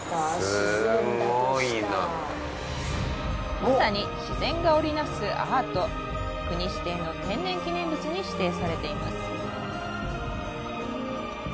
自然だとしたらまさに自然が織り成すアート国指定の天然記念物に指定されています